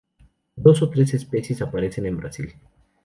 Dos o tres especies aparecen en Brasil.